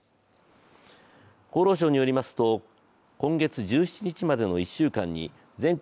厚労省によりますと、今月１７日までの１週間に全国